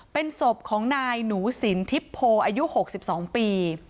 เป็นศพของนายหนูสินทิพโพอายุหกสิบสองปี